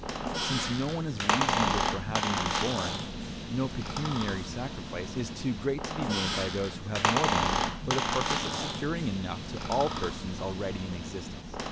Since no one is responsible for having been born, no pecuniary sacrifice is too great to be made by those who have more than enough, for the purpose of securing enough to all persons already in existence.